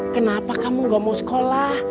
kenapa kamu gak mau sekolah